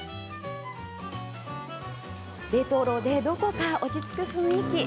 レトロで、どこか落ち着く雰囲気。